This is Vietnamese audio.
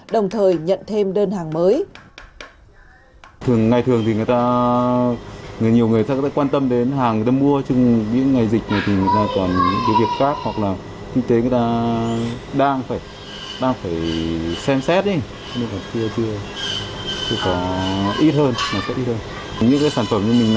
đồng thời nhận thêm đơn hàng mới